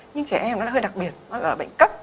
nhưng trẻ em nó hơi đặc biệt nó gọi là bệnh cấp